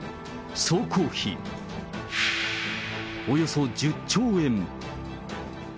総工費、およそ１０兆円。